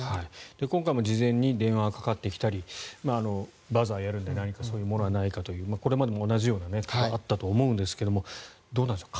今回も事前に電話がかかってきたりバザーをやるので何かそういうものがないかというこれまでも同じようなことがあったと思うんですがどうなんでしょう